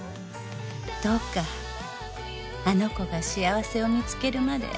「どうかあの子が幸せを見つけるまで」